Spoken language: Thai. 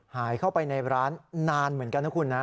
หายเข้าไปในร้านนานเหมือนกันนะคุณนะ